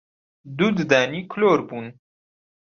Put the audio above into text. دوو ددانی کلۆر بوون